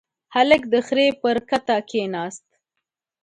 هلک د خرې پر کته کېناست.